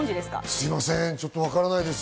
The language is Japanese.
すみません、ちょっとわからないです。